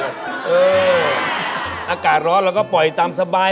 เอออากาศร้อนเราก็ปล่อยตามสบาย